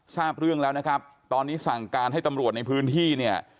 ทราบเรื่องแล้วนะครับตอนนี้สั่งการให้ตำรวจในพื้นที่เนี่ย